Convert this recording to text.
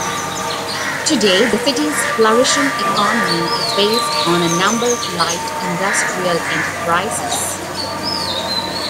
Today the city's flourishing economy is based on a number of light industrial enterprises.